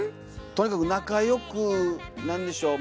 とにかく仲良くなんでしょう